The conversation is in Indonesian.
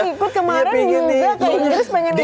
pengen ikut kemarin juga ke inggris pengen ikut